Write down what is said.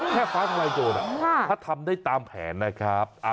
ฟ้าทลายโจรถ้าทำได้ตามแผนนะครับ